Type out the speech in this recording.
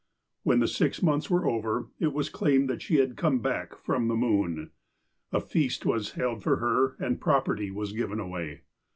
When the six months were over, it was claimed that she had come back "from the moon." A feast was held for her, and property was given away.